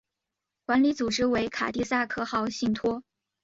管理组织为卡蒂萨克号信托。